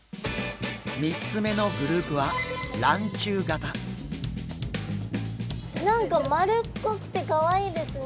３つ目のグループは何か丸っこくてかわいいですね。